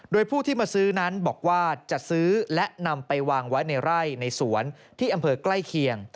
โดยผู้ที่มาซื้อนั้นบอกว่าจะซื้อและนำไปวางไว้ในไร่ในสวนที่อำเภอใกล้เคียง